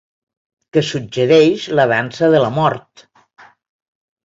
Que suggereix la dansa de la mort.